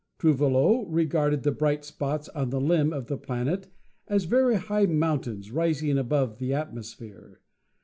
Trouve lot regarded the bright spots on the limb of the planet as very high mountains, rising above the atmosphere.